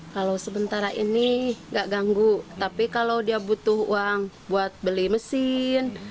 kalau sementara ini nggak ganggu tapi kalau dia butuh uang buat beli mesin